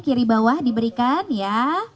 kiri bawah diberikan ya